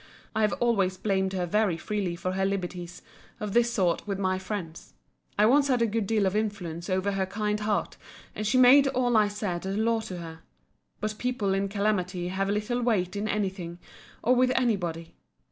I have always blamed her very freely for her liberties of this sort with my friends. I once had a good deal of influence over her kind heart, and she made all I said a law to her. But people in calamity have little weight in any thing, or with any body.